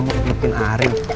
mau ngelukin arin